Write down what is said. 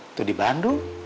atau di bandung